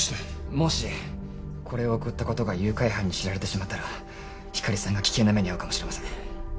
もしこれを送ったことが誘拐犯に知られてしまったら光莉さんが危険な目に遭うかもしれません。